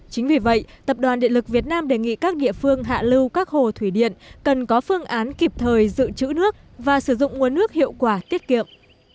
chính vì vậy tập đoàn điện lực việt nam đề nghị các địa phương hạ lưu các hồ thủy điện cần có phương án kịp thời dự trữ nước và sử dụng nguồn nước hiệu quả tiết kiệm